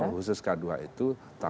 aparatus sipil negara